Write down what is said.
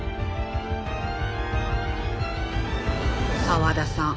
沢田さん